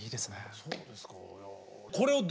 そうですか？